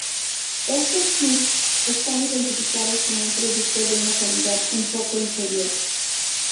Estos "chips" están identificados como un producto de una calidad un poco inferior.